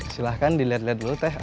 silahkan dilihat lihat dulu teh